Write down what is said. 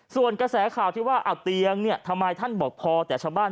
ส่วนกระแสข่าวที่ว่าเอาเตียงเนี่ยทำไมท่านบอกพอแต่ชาวบ้าน